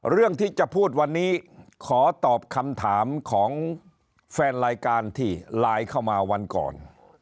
เรื่องที่จะพูดวันนี้ขอตอบคำถามของแฟนรายการที่ไลน์เข้ามาวันก่อน